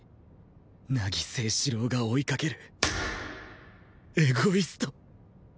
凪誠士郎が追いかけるエゴイスト！